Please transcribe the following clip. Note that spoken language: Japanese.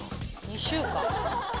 ２週間。